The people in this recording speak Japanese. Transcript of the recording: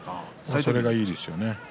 それがいいですね。